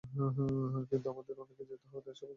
কিন্তু আমাদের এখনই যেতে হবে, তারা সবাই প্রস্তুত চলো যাই।